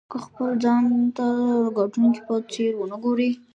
که خپل ځان ته د ګټونکي په څېر ونه ګورئ.